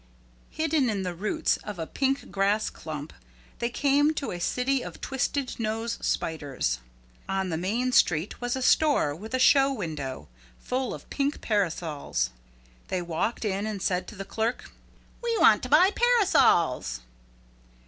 Hidden in the roots of a pink grass clump, they came to a city of twisted nose spiders. On the main street was a store with a show window full of pink parasols. They walked in and said to the clerk, "We want to buy parasols."